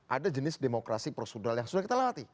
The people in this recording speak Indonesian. ada jenis demokrasi prosedural yang sudah kita latih